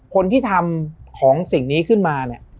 คนที่ทำของสิ่งนี้ขึ้นมาเนี่ย